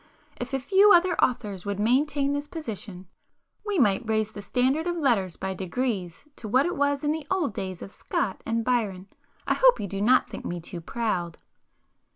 If a few other authors would maintain this position, we might raise the standard of letters by degrees to what it was in the old days of Scott and Byron. I hope you do not think me too proud?"